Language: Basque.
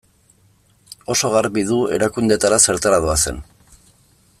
Oso garbi du erakundeetara zertara doazen.